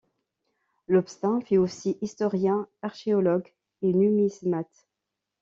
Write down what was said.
Lobstein fut aussi historien, archéologue et numismate.